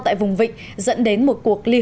tại vùng vịnh dẫn đến một cuộc khủng hoảng